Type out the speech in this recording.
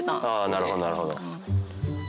なるほどなるほど。